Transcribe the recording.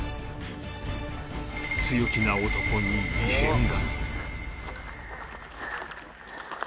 強気な男に異変が